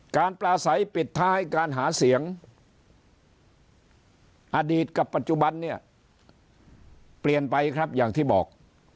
ปลาใสปิดท้ายการหาเสียงอดีตกับปัจจุบันเนี่ยเปลี่ยนไปครับอย่างที่บอก